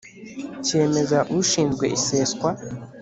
cyemeza ushinzwe iseswa